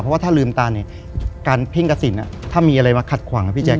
เพราะว่าถ้าลืมตาเนี่ยการเพ่งกระสินถ้ามีอะไรมาขัดขวางนะพี่แจ